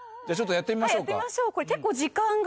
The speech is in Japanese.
やってみましょう。